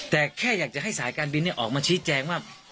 แต่แค่อยากจะให้สายการบินออกมาชี้แจงว่า